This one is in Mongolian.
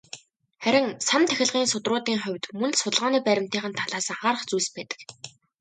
Харин "сан тахилгын судруудын" хувьд мөн л судалгааны баримтынх нь талаас анхаарах зүйлс байдаг.